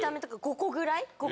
５個ぐらい。